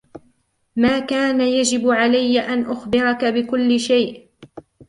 ما كان يجب علي أن أخبرك بكل شيء